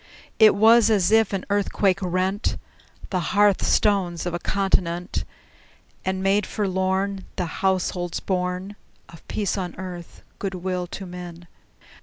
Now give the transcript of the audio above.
It was as if an earthquake rent The hearth stones of a continent, And made forlorn The households born Of peace on earth, good will to men!